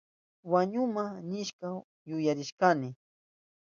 Wañuhuma nishpa yuyarishkani.